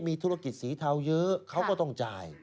มีธุรกิจสีเทาเยอะเขาก็ต้องจ่าย